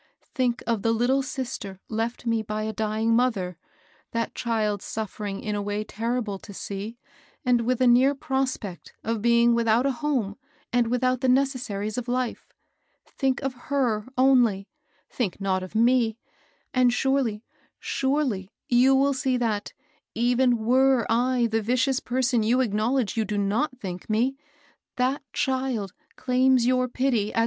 Think of the little sister left me by a dying mother, — that child suffering in a way terrible to see, and with a near prospect of being without a home and without the necessaries of life ! Think of her only ; think not of me; and surely, surely you will see that, even were I the vicious person you acknowledge you do not think me, that child claims your pity as THE AID SOCIETY.